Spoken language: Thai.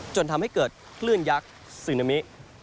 จนทำให้เกิดคลื่นยักษ์ซึนามิ